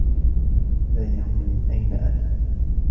لا يهمّ من أين أتى.